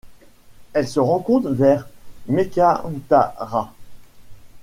Elle se rencontre vers Meekatharra.